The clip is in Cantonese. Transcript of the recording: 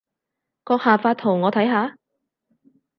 閣下發圖我睇下